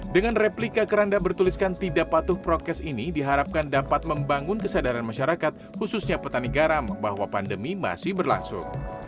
dengan replika keranda bertuliskan tidak patuh prokes ini diharapkan dapat membangun kesadaran masyarakat khususnya petani garam bahwa pandemi masih berlangsung